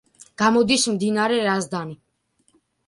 გამოდის მდინარე რაზდანი.